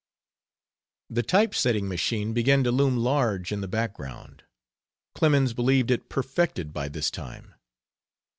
The type setting machine began to loom large in the background. Clemens believed it perfected by this time.